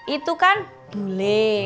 itu kan bu l